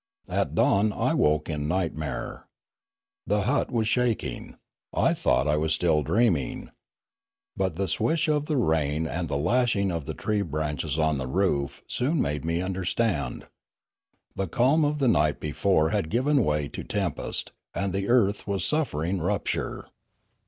At dawn I woke in nightmare. The hut was shaking. I thought that I was still dreaming. But the swish of the rain Postscript to Limanora 285 and the lashing of the tree branches on the roof soon made me understand. The calm of the night before had given way to tempest; and the earth was suffering rupture.